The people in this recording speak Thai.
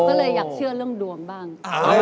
ก็เลยอยากเชื่อเรื่องดวงบ้าง